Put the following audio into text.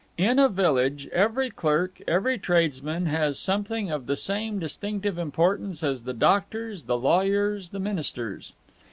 In a village, every clerk, every tradesman, has something of the same distinctive importance as the doctors, the lawyers, the ministers.